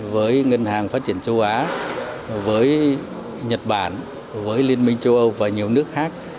với ngân hàng phát triển châu á với nhật bản với liên minh châu âu và nhiều nước khác